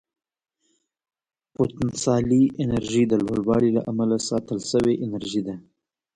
پوتنسیالي انرژي د لوړوالي له امله ساتل شوې انرژي ده.